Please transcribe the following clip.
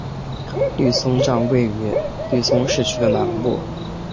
利松站位于利松市区的南部。